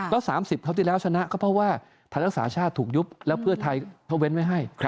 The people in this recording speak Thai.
ก็๓๐เท่าที่แล้วชนะก็เพราะว่าไทยรักษาชาติถูกยุบแล้วเพื่อไทยเขาเว้นไว้ให้